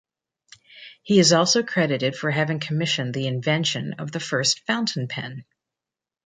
He is also credited for having commissioned the invention of the first fountain pen.